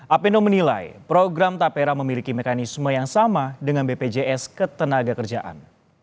apendo menilai program tapera memiliki mekanisme yang sama dengan bpjs ketenagakerjaan